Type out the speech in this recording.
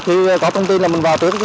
thì có thông tin là mình vào trước chứ